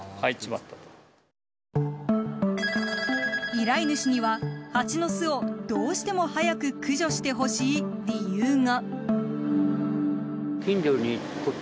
依頼主には、ハチの巣をどうしても早く駆除してほしい理由が。